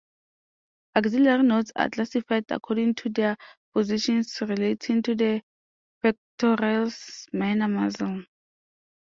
Axillary nodes are classified according to their positions relative to the pectoralis minor muscle.